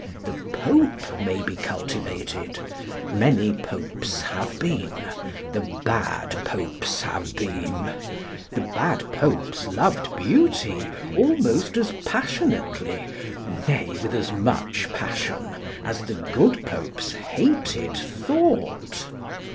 The Pope may be cultivated. Many Popes have been; the bad Popes have been. The bad Popes loved Beauty, almost as passionately, nay, with as much passion as the good Popes hated Thought.